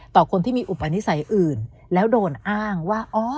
คนที่มีอุปนิสัยอื่นแล้วโดนอ้างว่า